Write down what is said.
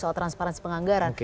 soal transparansi penganggaran